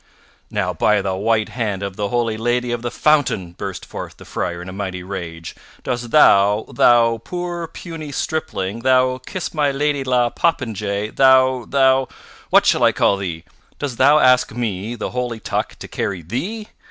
"Now, by the white hand of the holy Lady of the Fountain!" burst forth the Friar in a mighty rage, "dost thou, thou poor puny stripling, thou kiss my lady la poppenjay; thou thou What shall I call thee? Dost thou ask me, the holy Tuck, to carry thee?